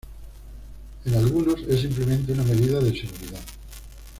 En algunos, es simplemente una medida de seguridad.